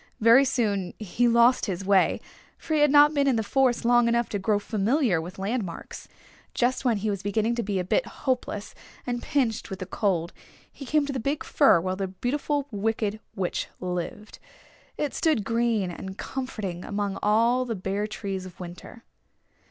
Very soon he lost his way, for he had not been in the forest long enough to grow familiar with landmarks. Just when he was beginning to be a bit hopeless and pinched with the cold he came to the big fir where the Beautiful Wicked Witch lived. It stood green and comforting among all the bare trees of winter.